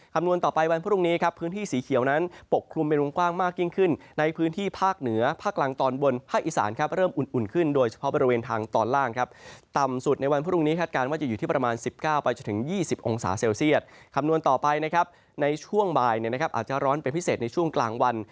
คำนวณต่อไปวันพรุ่งนี้พื้นที่สีเขียวนั้นปกครุมเป็นวงกว้างมากยิ่งขึ้น